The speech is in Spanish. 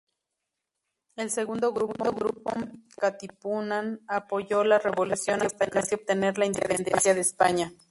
El segundo grupo, Katipunan, apoyó la revolución hasta casi obtener la independencia de España.